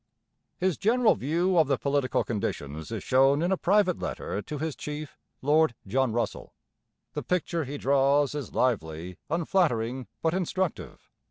His general view of the political conditions is shown in a private letter to his chief, Lord John Russell. The picture he draws is lively, unflattering, but instructive.